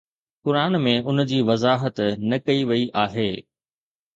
قرآن ۾ ان جي وضاحت نه ڪئي وئي آهي